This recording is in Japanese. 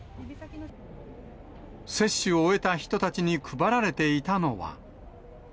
接種を終えた人たちに配られていたのは。